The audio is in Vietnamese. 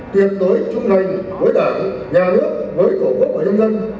tiệt đối trung hành với đảng nhà nước với cổ quốc và nhân dân